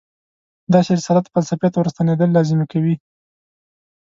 داسې رسالت فلسفې ته ورستنېدل لازمي کوي.